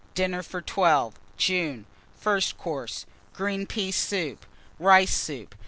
DINNER FOR 12 PERSONS (June). FIRST COURSE. Green Pea Soup. Rice Soup.